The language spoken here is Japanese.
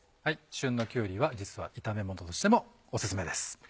旬のきゅうりは実は炒め物としてもオススメです。